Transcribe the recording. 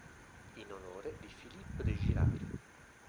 In onore di Philippe de Girard.